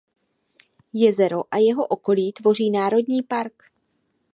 Jezero a jeho okolí tvoří národní park.